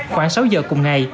khoảng sáu giờ cùng ngày